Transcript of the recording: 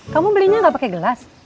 kamu belinya nggak pakai gelas